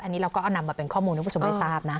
อันนี้เราก็เอานำมาเป็นข้อมูลให้ผู้ชมได้ทราบนะ